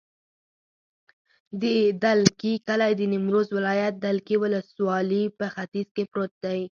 د دلکي کلی د نیمروز ولایت، دلکي ولسوالي په ختیځ کې پروت دی.